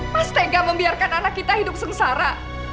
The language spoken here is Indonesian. mas tega membiarkan anak kita hidup sengsara